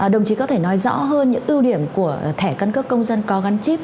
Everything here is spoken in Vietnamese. đồng chí có thể nói rõ hơn những ưu điểm của thẻ căn cước công dân có gắn chip